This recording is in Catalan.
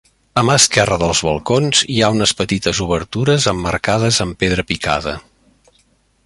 A mà esquerra dels balcons hi ha unes petites obertures emmarcades amb pedra picada.